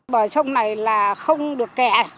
bờ sông này là không được kẹ